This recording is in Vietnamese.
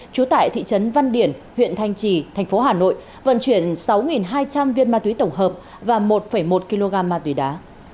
trú tại thị trấn văn điển huyện thanh trì thành phố hà nội vận chuyển sáu hai trăm linh viên ma túy tổng hợp và một một kg ma túy đá